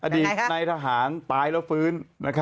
อดีตในทหารตายแล้วฟื้น